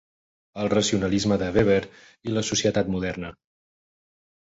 El racionalisme de Weber i la societat moderna.